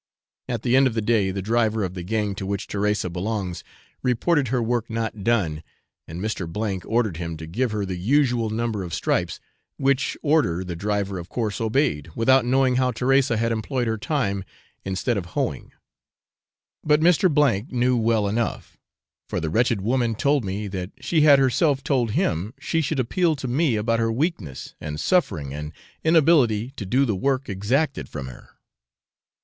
At the end of the day, the driver of the gang to which Teresa belongs reported her work not done, and Mr. O ordered him to give her the usual number of stripes; which order the driver of course obeyed, without knowing how Teresa had employed her time instead of hoeing. But Mr. O knew well enough, for the wretched woman told me that she had herself told him she should appeal to me about her weakness and suffering and inability to do the work exacted from her.